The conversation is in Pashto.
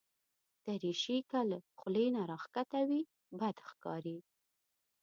دریشي که له خولې نه راښکته وي، بد ښکاري.